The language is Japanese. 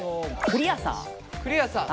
クリアさん。